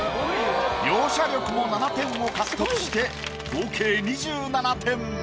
描写力も７点を獲得して合計２７点。